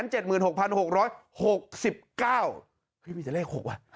จะมีแต่เลข๖ว่ะ